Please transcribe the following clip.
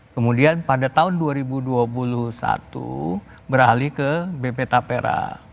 kemudian pada tahun dua ribu dua puluh satu beralih ke bp tapera